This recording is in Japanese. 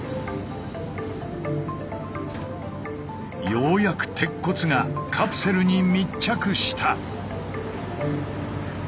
ようやく鉄骨がカプセルに密着した！